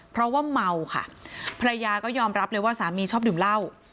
เพราะว่าเมาค่ะภรรยาก็ยอมรับเลยว่าสามีชอบดื่มเหล้า